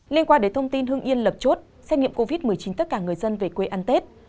liên quan đến thông tin hưng yên lập chốt xét nghiệm covid một mươi chín tất cả người dân về quê ăn tết